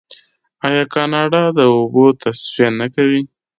آیا کاناډا د اوبو تصفیه نه کوي؟